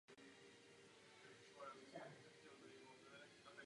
V období komunistické totality byl kostel téměř třicet let uzavřen.